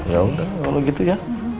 ya udah kalau gitu ya